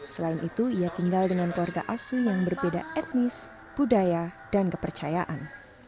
selain itu ia tinggal dengan keluarga asu yang berbeda etnis budaya dan kepercayaan